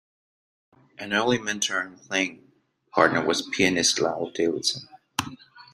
An early mentor and playing partner was pianist Lowell Davidson.